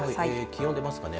気温でますかね。